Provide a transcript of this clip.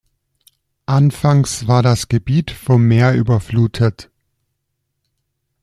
Anfangs war das Gebiet vom Meer überflutet.